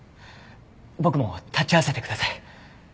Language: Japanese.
僕も立ち会わせてください。